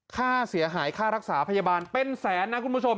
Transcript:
ค่าเสียหายค่ารักษาพยาบาลเป็นแสนนะคุณผู้ชม